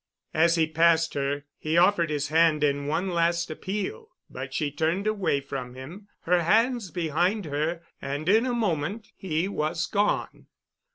As he passed her, he offered his hand in one last appeal, but she turned away from him, her hands behind her, and in a moment he was gone.